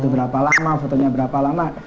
berapa lama fotonya berapa lama